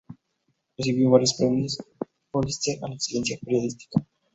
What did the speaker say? Recibió varios premios Premios Pulitzer a la excelencia periodística.